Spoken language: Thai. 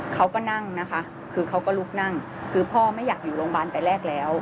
เขาก็นั่งนะคะคือเขาก็ลุกนั่งคือพ่อไม่อยากอยู่โรงพยาบาลแต่แรกแล้ว